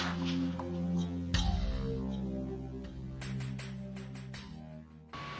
ดี